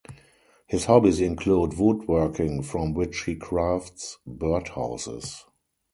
His hobbies include wood working from which he crafts bird houses.